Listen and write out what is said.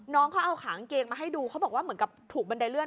น้องเขาเอาขากางเกงมาให้ดูเขาบอกว่าเหมือนกับถูกบันไดเลื่อน